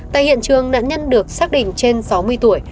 tại hiện trường nạn nhân được xác định trên sáu mươi tuổi